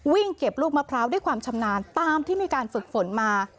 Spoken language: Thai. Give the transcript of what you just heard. วิ่งเก็บลูกมะพร้าวด้วยความชำนาญตามที่มีการฝึกฝนมา